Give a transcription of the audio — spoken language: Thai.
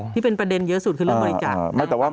ที่เป็นประเด็นเยอะสุดคือเรื่องบริจาค